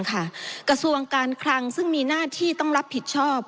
กระทรวงการคลังซึ่งมีหน้าที่ต้องรับผิดชอบ